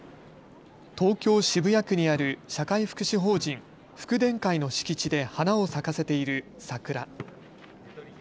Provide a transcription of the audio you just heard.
東京・渋谷区にある社会福祉法人、福田会の敷地で花を咲かせている桜。